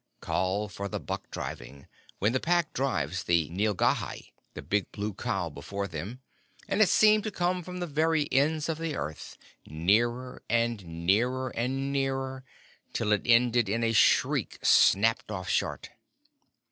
_ call for the buck driving, when the Pack drives the nilghai, the big blue cow, before them, and it seemed to come from the very ends of the earth, nearer, and nearer, and nearer, till it ended in a shriek snapped off short.